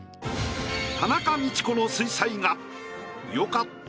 田中道子の水彩画。